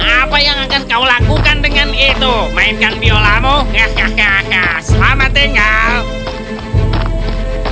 apa yang akan kau lakukan dengan itu mainkan biolamu hahaha selamat tinggal